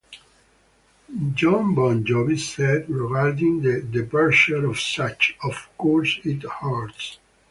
Jon Bon Jovi said, regarding the departure of Such: Of course it hurts.